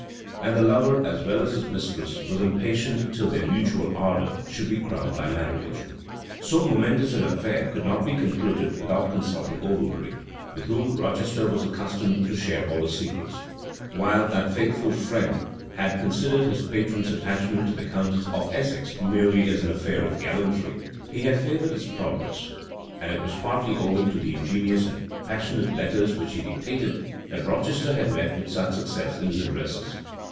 And the lover, as well as his mistress, was impatient till their mutual ardor should be crowned by marriage. * Kennet, p. 686. Kennet, p. 687. State Trials, vol. i. p. 228. So momentous an affair could not be concluded without consulting Overbury, with whom Rochester was accustomed to share all his secrets. While that faithful friend had considered his patron's attachment to the countess of Essex merely as an affair of gallantry, he had favored its progress; and it was partly owing to the ingenious and passionate letters which he dictated, that Rochester had met with such success in his addresses.